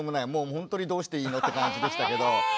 ほんとにどうしていいの？って感じでしたけど。